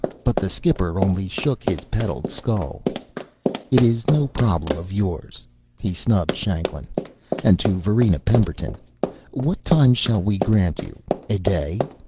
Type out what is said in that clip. But the skipper only shook his petalled skull. "It iss no prroblem of yourrss," he snubbed Shanklin. And, to Varina Pemberton: "What time sshall we grrant you? A day?